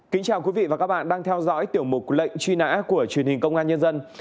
kính chào quý vị và các bạn đang theo dõi tiểu mục lệnh truy nã của truyền hình công an nhân dân